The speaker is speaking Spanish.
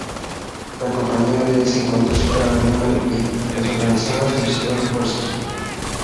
La Compañía D se encontró superada en número y, desorganizada, solicitó refuerzos.